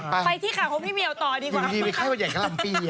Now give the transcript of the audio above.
ไปที่ขาวเพื่อพี่เมียวต่อดีกว่า